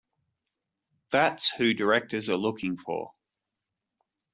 That's who directors are looking for.